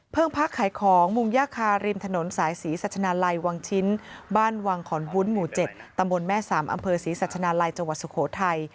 พักขายของมุงย่าคาริมถนนสายศรีสัชนาลัยวังชิ้นบ้านวังขอนวุ้นหมู่๗ตำบลแม่สามอำเภอศรีสัชนาลัยจังหวัดสุโขทัย